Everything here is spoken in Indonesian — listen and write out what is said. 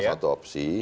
salah satu opsi